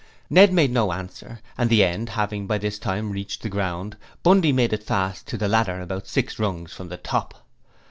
Ned made no answer and the end having by this time reached the ground, Bundy made it fast to the ladder, about six rungs from the top.